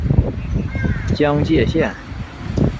江界线